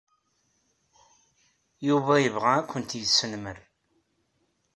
Yuba yebɣa ad kent-yesnemmer.